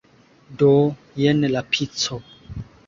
Do, jen la pico